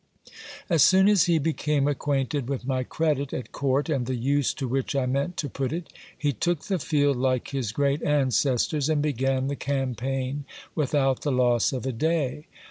As soon as he became acquainted with my credit at court and the use to which I meant to put it, he took the field like his great ancestors, and began the campaign without the loss of a day.